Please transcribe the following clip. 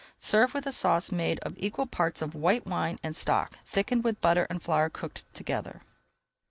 Serve with a sauce made of equal parts of white wine and stock, thickened with butter and flour cooked together.